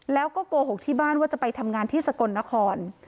แล้วก็โกหกที่บ้านว่าจะไปทำงานที่สกลนคร